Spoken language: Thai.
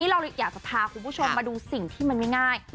เราอยากจะพาคุณผู้ชมมาดูสิ่งที่มันไม่ง่าย